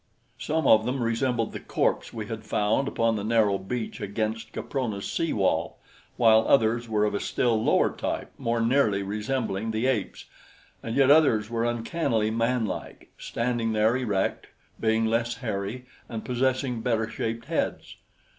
Some of them resembled the corpse we had found upon the narrow beach against Caprona's sea wall, while others were of a still lower type, more nearly resembling the apes, and yet others were uncannily manlike, standing there erect, being less hairy and possessing better shaped heads.